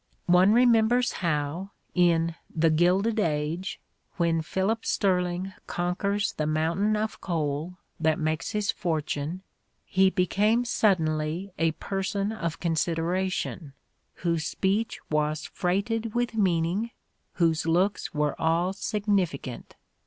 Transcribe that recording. One remembers how, in "The Gilded Age," when Philip Sterling conquers the mountain of coal that makes his fortune, he "became suddenly a person of consideration, whose speech was freighted with mean ing, whose looks were all significant.